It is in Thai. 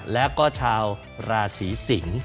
และก็ชาวราศีสิง